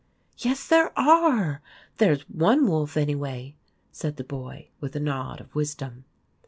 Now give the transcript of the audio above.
" Yes, there are ! There 's one wolf, anyway," said the boy, with a nod of wisdom.